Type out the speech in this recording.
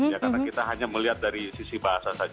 ya karena kita hanya melihat dari sisi bahasa saja